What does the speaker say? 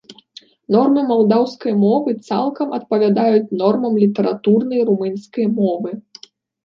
Нормы малдаўскай мовы цалкам адпавядаюць нормам літаратурнай румынскай мовы.